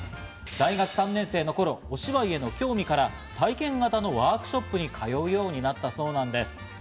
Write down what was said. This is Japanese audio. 大学３年生の頃、お芝居への興味から体験型のワークショップに通うようになったそうなんです。